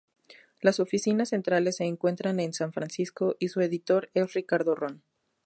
Las oficinas centrales se encuentran en San Francisco, y su editor es Ricardo Ron.